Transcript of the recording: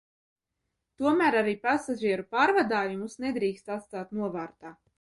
Tomēr arī pasažieru pārvadājumus nedrīkst atstāt novārtā.